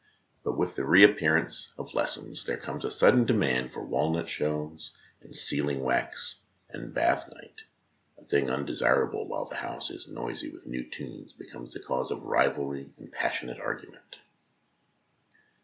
But with the re appearance of lessons there comes a sudden demand for walnut shells and sealing wax, and bath night, a thing undesirable while the house is noisy with new tunes, becomes the cause of rivalry and passionate argu ment.